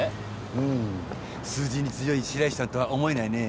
うん数字に強い白石ちゃんとは思えないね。